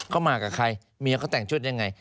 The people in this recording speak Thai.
เขามากับใครเมียเขาแต่งชุดยังไง